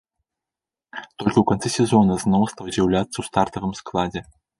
Толькі ў канцы сезона зноў стаў з'яўляцца ў стартавым складзе.